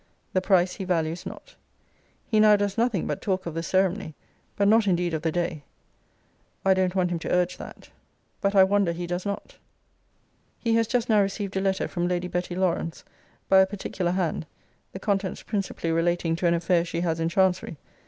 The price he values not. He now does nothing but talk of the ceremony, but not indeed of the day. I don't want him to urge that but I wonder he does not. He has just now received a letter from Lady Betty Lawrance, by a particular hand; the contents principally relating to an affair she has in chancery.